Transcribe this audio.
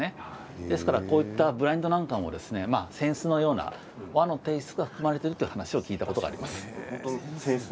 ですからこういったブラインドなんかも、扇子のような和のテーストが含まれているという話を聞いたことがあります。